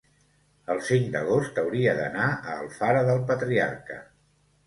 El cinc d'agost hauria d'anar a Alfara del Patriarca.